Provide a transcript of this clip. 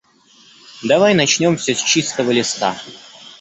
Давай начнём всё с чистого листа.